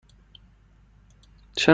چه نوع توری را ترجیح می دهید؟